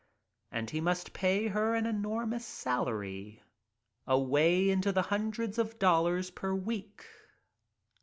And he must pay her an enormous salary — away into the hundreds of dollars per week.